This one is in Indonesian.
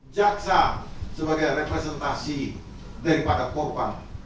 jaksa sebagai representasi daripada korban